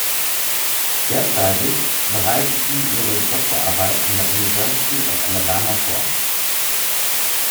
Derzeitig bereitet sie ihre Doktorarbeit an der University of Alabama vor.